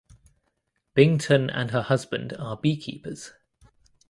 Byington and her husband are beekeepers.